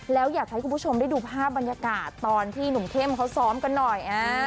แล้วอยากให้คุณผู้ชมได้ดูภาพบรรยากาศตอนที่หนุ่มเข้มเขาซ้อมกันหน่อย